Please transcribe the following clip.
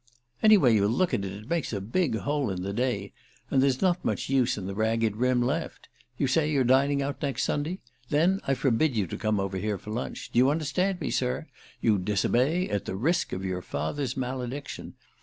"Any way you look at it, it makes a big hole in the day; and there's not much use in the ragged rim left. You say you're dining out next Sunday? Then I forbid you to come over here for lunch. Do you understand me, sir? You disobey at the risk of your father's malediction!